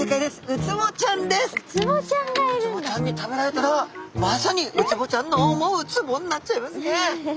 ウツボちゃんに食べられたらまさにウツボちゃんの思ウツボになっちゃいますね。